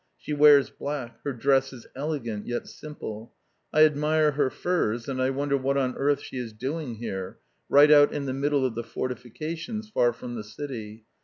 She wears black. Her dress is elegant, yet simple. I admire her furs, and I wonder what on earth she is doing here, right out in the middle of the fortifications, far from the city.